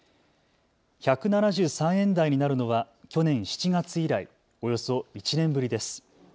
１７３円台になるのは去年７月以来およそ１年ぶりです。